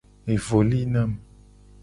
Evo li nam.